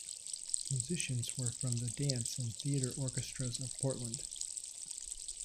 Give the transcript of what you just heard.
Musicians were from the dance and theatre orchestras of Portland.